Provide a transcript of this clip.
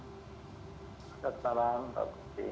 selamat malam pak kuti